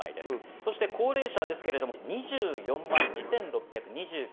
そして高齢者、２４万２６２９。